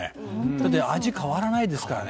だって、味変わらないですからね